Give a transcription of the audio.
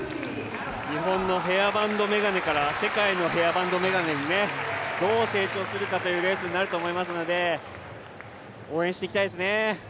日本のヘアバンド眼鏡から世界のヘアバンド眼鏡にねどう成長するかというレースになるかと思いますので応援していきたいですね。